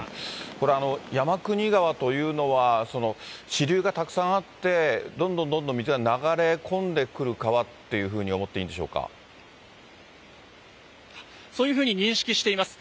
これ、山国川というのは、支流がたくさんあって、どんどんどんどん水が流れ込んでくる川っていうふうに思っていいそういうふうに認識しています。